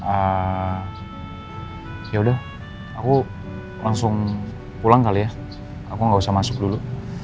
ah ya udah aku langsung pulang kali ya aku gak usah masuk dulu